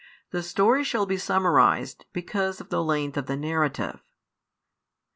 The story shall be summarized, because of the length of the narrative.